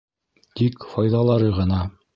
— Тик файҙалары ғына.